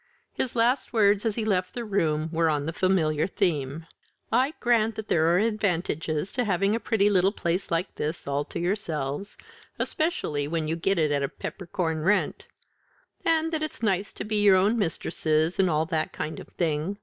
His last words as he left the room were on the familiar theme. "I grant that there are advantages in having a pretty little place like this all to yourselves, especially when you get it at a peppercorn rent; and that it's nice to be your own mistresses, and all that kind of thing.